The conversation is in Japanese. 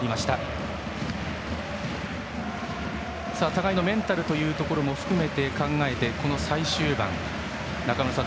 互いのメンタルというところも含めて考えてこの最終盤、中村さん